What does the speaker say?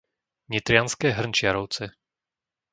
Nitrianske Hrnčiarovce